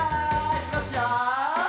いきますよ。